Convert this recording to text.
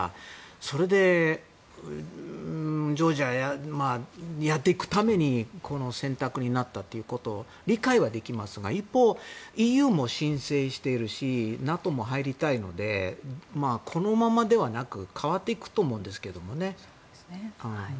それで、ジョージアがやっていくためにこの選択になったということを理解はできますが一方、ＥＵも申請しているしＮＡＴＯも入りたいのでこのままではなく変わっていくと思いますけどね。